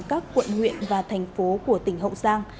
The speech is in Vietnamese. các quận huyện và thành phố của tỉnh hậu giang